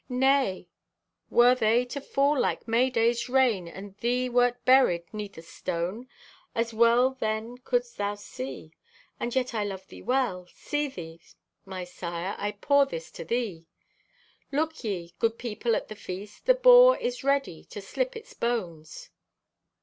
Nay, were they to fall like Mayday's rain and thee wert buried 'neath a stone, as well then could'st thou see! And yet I love thee well. See thee, my sire, I pour this to thee! "Look ye, good people at the feast; the boar is ready to slip its bones.